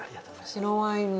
白ワインの。